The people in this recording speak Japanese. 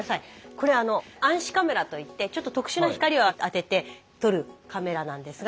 これ暗視カメラといってちょっと特殊な光を当てて撮るカメラなんですが。